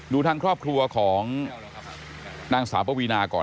ดูทางครอบครัวของนางสาวปวีนาก่อน